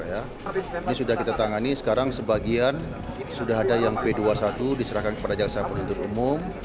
ini sudah kita tangani sekarang sebagian sudah ada yang p dua puluh satu diserahkan kepada jaksa penuntut umum